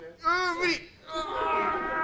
無理。